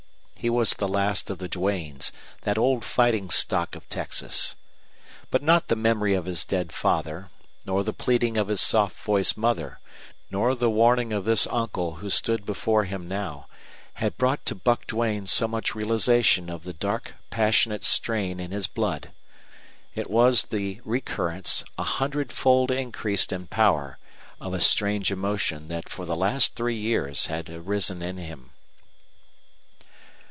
He was the last of the Duanes, that old fighting stock of Texas. But not the memory of his dead father, nor the pleading of his soft voiced mother, nor the warning of this uncle who stood before him now, had brought to Buck Duane so much realization of the dark passionate strain in his blood. It was the recurrence, a hundred fold increased in power, of a strange emotion that for the last three years had arisen in him.